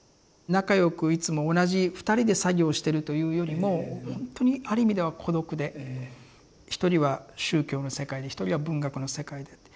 仲よくいつも同じ２人で作業してるというよりも本当にある意味では孤独で一人は宗教の世界で一人は文学の世界でって。